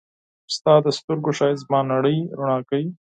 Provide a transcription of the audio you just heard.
ستا د سترګو ښایست زما نړۍ رڼا کوي.